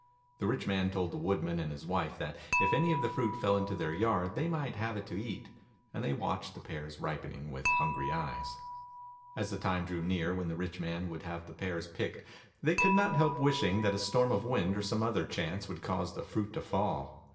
The rich man told the woodman and his wife that if any of the fruit fell into their yard they might have it to eat, and they watched the pears ripening with hungry eyes. As the time drew near when the rich man would have the pears picked they could not help wishing that a storm of wind or some other chance would cause the fruit to fall.